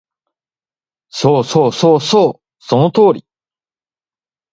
そうそうそうそう、その通り